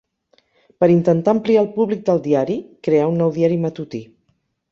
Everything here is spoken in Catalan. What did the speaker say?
Per intentar ampliar el públic del diari creà un nou diari matutí.